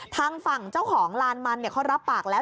ทางฝั่งเจ้าของลานมันเขารับปากแล้ว